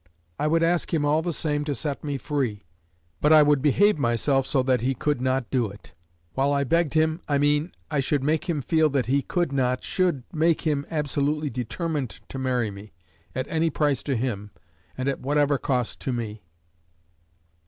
I would ask him all the same to set me free, but I would behave myself so that he could not do it. While I begged him, I mean, I should make him feel that he could not should make him absolutely determined to marry me, at any price to him, and at whatever cost to me.